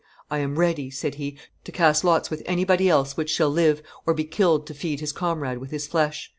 "I am ready," said he, "to cast lots with anybody else which shall live or be killed to feed his comrade with his flesh.